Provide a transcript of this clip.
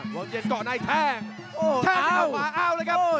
วางน้ำเย็นเกาะในแท่แท่ขวาเอาละครับ